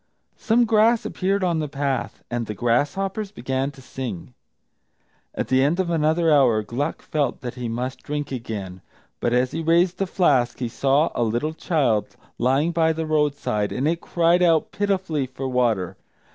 Some grass appeared on the path, and the grasshoppers began to sing. At the end of another hour, Gluck felt that he must drink again. But, as he raised the flask, he saw a little child lying by the roadside, and it cried out pitifully for water.